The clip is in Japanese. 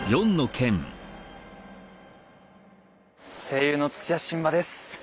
声優の土屋神葉です。